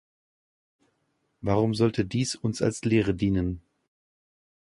Warum sollte dies uns als Lehre dienen?